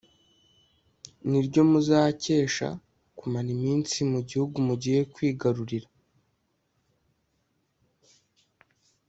ni ryo muzakesha kumara iminsi mu gihugu mugiye kwigarurira